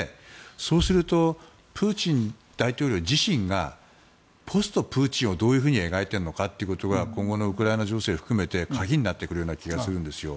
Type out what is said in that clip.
そうするとプーチン大統領自身がポストプーチンをどう描いているのかということが今後のウクライナ情勢を含めて鍵になってくるような気がするんですよ。